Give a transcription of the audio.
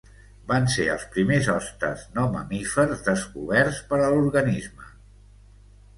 Van ser els primers hostes no mamífers descoberts per a l'organisme.